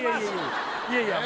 いやいや